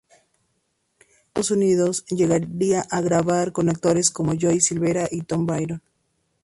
En Estados Unidos llegaría a grabar con actores como Joey Silvera y Tom Byron.